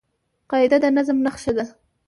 قاعده د نظم نخښه ده.